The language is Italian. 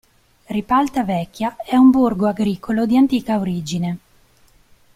Ripalta Vecchia è un borgo agricolo di antica origine.